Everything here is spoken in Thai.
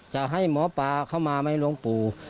จะให้หมอปลาเข้ามาไหมหลวงปู่